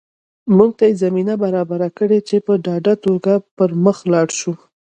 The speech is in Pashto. موږ ته یې زمینه برابره کړې چې په ډاډه توګه پر مخ لاړ شو